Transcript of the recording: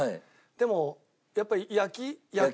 でもやっぱり焼き焼く方。